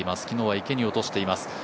昨日は池に落としています。